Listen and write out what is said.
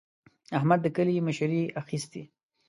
احمد د کلي مشري اخېستې.